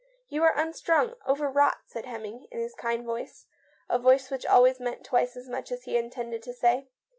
"You are unstrung, overwrought," said Hemming, in his kind voice — a voice which always meant twice as much as he intended to say.